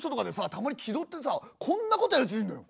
たまに気取ってさこんなことやるやついんのよ。